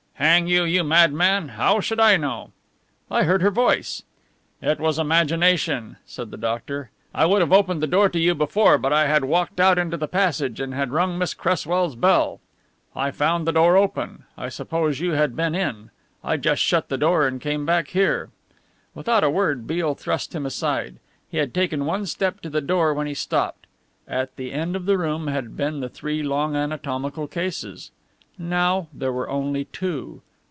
"Hang you, you madman! How should I know?" "I heard her voice." "It was imagination," said the doctor. "I would have opened the door to you before but I had walked out into the passage and had rung Miss Cresswell's bell. I found the door open. I suppose you had been in. I just shut the door and came back here." Without a word Beale thrust him aside. He had taken one step to the door when he stopped: At the end of the room had been the three long anatomical cases. Now there were only two.